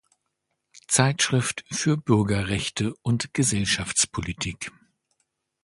Zeitschrift für Bürgerrechte und Gesellschaftspolitik